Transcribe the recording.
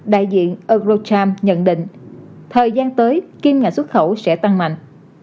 đại diện eugrocharm nhận định thời gian tới kim ngạch xuất khẩu sẽ tăng mạnh